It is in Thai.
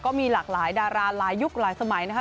ก็มีหลากหลายดาราหลายยุคหลายสมัยนะคะ